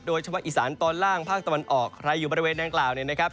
โดยเฉพาะอีสานตอนล่างภาคตะวันออกใครอยู่บริเวณดังกล่าวเนี่ยนะครับ